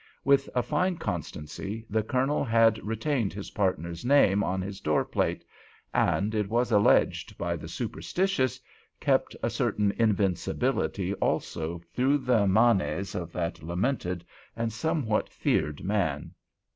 With a fine constancy the Colonel still retained his partner's name on his door plate—and, it was alleged by the superstitious, kept a certain invincibility also through the manes of that lamented and somewhat feared man.